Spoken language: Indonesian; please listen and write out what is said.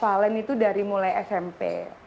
valen itu dari mulai smp